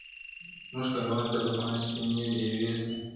زموږ کاروان ته د هنر سپيني ډېوې سه,